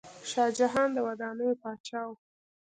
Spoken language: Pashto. شاه جهان د ودانیو پاچا و.